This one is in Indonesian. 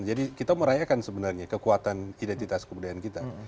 jadi kita merayakan sebenarnya kekuatan identitas kebudayaan kita